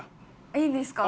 いいんですか？